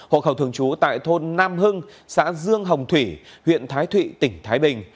hộ khẩu thường trú tại thôn nam hưng xã dương hồng thủy huyện thái thụy tỉnh thái bình